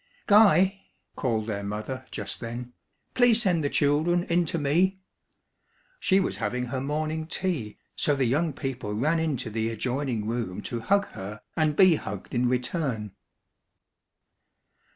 "Guy!" called their mother just then. "Please send the children in to me." She was having her morning tea, so the young people ran into the adjoining room to hug her and be hugged in return.